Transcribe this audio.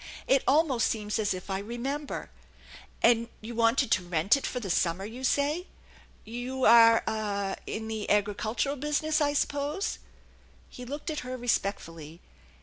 It almost seems as if I remember. And you wanted to rent it for the summer, you say? You are ah in the agricultural busi ness, I suppose?" He looked at her respectfully.